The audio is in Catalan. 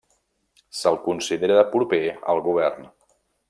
Se'l considera proper al govern.